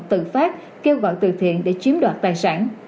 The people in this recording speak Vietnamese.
tự phát kêu gọi từ thiện để chiếm đoạt tài sản